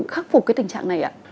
khắc phục cái tình trạng này ạ